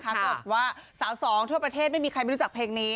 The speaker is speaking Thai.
ก็บอกว่าสาวสองทั่วประเทศไม่มีใครไม่รู้จักเพลงนี้